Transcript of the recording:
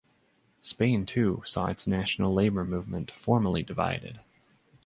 Spain, too, saw its national labor movement formally divided.